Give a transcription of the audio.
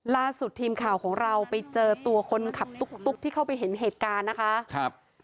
ล่าสุดทีมข่าวของเราไปเจอตัวคนขับตุ๊กที่เข้าไปเห็นเหตุการณ์นะคะครับ